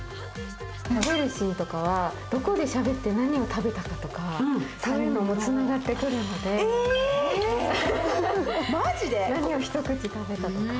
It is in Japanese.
食べるシーンとかは、どこでしゃべって何を食べたかとか、そういうのも繋がってくるので、何をひと口食べたとか。